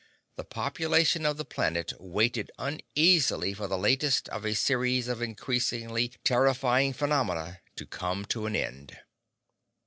—the population of the planet waited uneasily for the latest of a series of increasingly terrifying phenomena to come to an end.